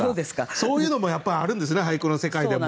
そういうのもやっぱあるんですね俳句の世界でも。